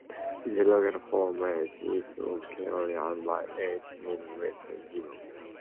It is located four miles east of Kearney and eight miles west of Gibbon.